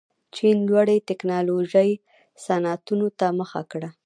چین لوړې تکنالوژۍ صنعتونو ته مخه کړه.